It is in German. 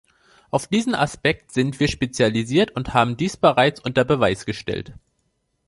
Auf diesen Aspekt sind wir spezialisiert und haben dies bereits unter Beweis gestellt.